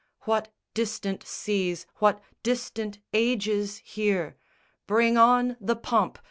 What distant seas, what distant ages hear? Bring on the pomp!